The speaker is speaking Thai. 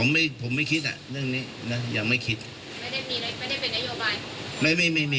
ไม่มีส่วนตัวไม่มอง